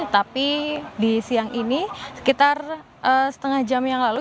tapi di siang ini sekitar setengah jam yang lalu